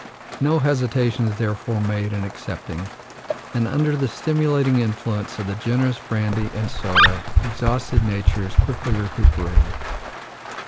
No hesitation is therefore made in accepting; and, under the stimulating influence of the generous brandy and soda, exhausted nature is quickly recuperated.